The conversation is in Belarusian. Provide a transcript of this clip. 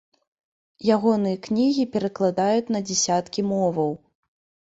Ягоныя кнігі перакладаюць на дзясяткі моваў.